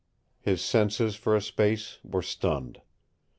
His senses for a space were stunned.